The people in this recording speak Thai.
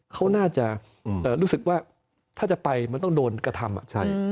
เขาน่าจะรู้สึกว่าถ้าจะไปมันต้องโดนกระทำ